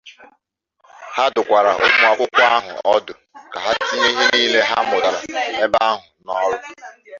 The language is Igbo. Ha dụkwàrà ụmụakwụkwọ ahụ ọdụ ka ha tinye ihe niile ha mụtàrà ebe ahụ n'ọrụ.